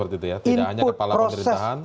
tidak hanya kepala pemerintahan input proses